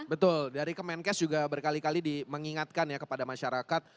betul dari kemenkes juga berkali kali di mengingatkan ya kepada masyarakat